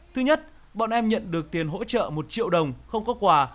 thứ nhất bọn em nhận được tiền hỗ trợ một triệu đồng không có quà